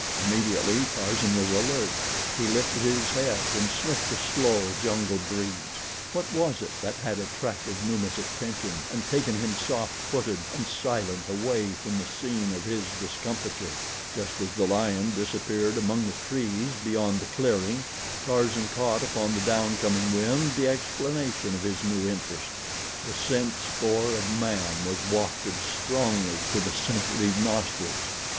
Immediately Tarzan was alert. He lifted his head and sniffed the slow, jungle breeze. What was it that had attracted Numa's attention and taken him soft footed and silent away from the scene of his discomfiture? Just as the lion disappeared among the trees beyond the clearing Tarzan caught upon the down coming wind the explanation of his new interest—the scent spoor of man was wafted strongly to the sensitive nostrils.